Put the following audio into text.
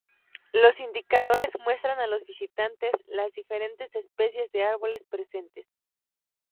Los indicadores muestran a los visitantes las diferentes especies de árboles presentes.